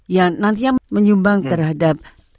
yang nantinya menyumbang terhadap